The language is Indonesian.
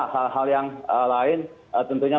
hal hal yang lain tentunya